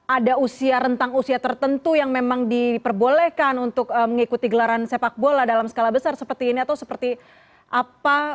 ada usia rentang usia tertentu yang memang diperbolehkan untuk mengikuti gelaran sepak bola dalam skala besar seperti ini atau seperti apa